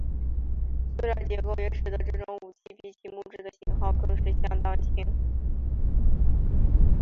塑料结构也使得这种武器比起木制的型号更是相当轻。